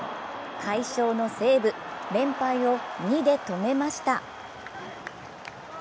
快勝の西武、連敗を２で止めました。